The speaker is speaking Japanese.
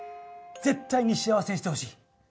ぜっ対に幸せにしてほしい。